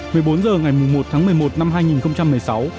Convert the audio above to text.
một mươi bốn h ngày một tháng một mươi một năm hai nghìn một mươi sáu